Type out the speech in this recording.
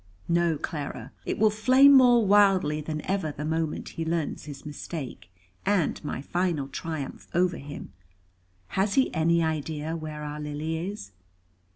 "No, Clara. It will flame more wildly than ever the moment he learns his mistake, and my final triumph over him. Has he any idea where our Lily is?"